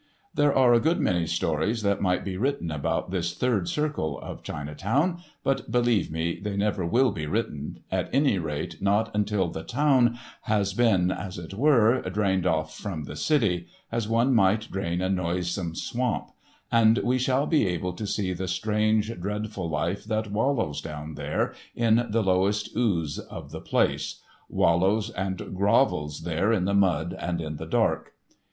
There are a good many stories that might be written about this third circle of Chinatown, but believe me, they never will be written—at any rate not until the "town" has been, as it were, drained off from the city, as one might drain a noisome swamp, and we shall be able to see the strange, dreadful life that wallows down there in the lowest ooze of the place—wallows and grovels there in the mud and in the dark.